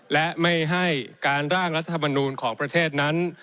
และไม่ให้การร่างรัฐธรรมนูลของประเทศนั้น